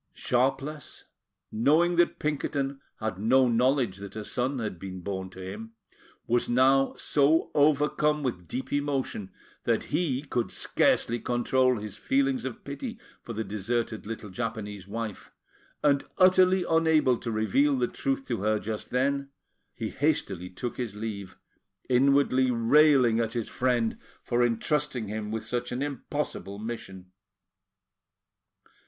Sharpless, knowing that Pinkerton had no knowledge that a son had been born to him, was now so overcome with deep emotion that he could scarcely control his feelings of pity for the deserted little Japanese wife; and, utterly unable to reveal the truth to her just then, he hastily took his leave, inwardly railing at his friend for entrusting him with such an impossible mission.